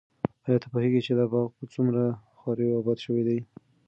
ایا ته پوهېږې چې دا باغ په څومره خواریو اباد شوی دی؟